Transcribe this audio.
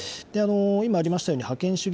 今、ありましたように、覇権主義